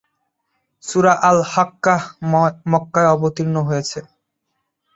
সূরা আল-হাক্কাহ মক্কায় অবতীর্ণ হয়েছে।